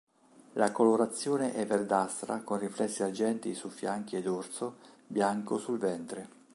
La colorazione è verdastra con riflessi argentei su fianchi e dorso, bianco sul ventre.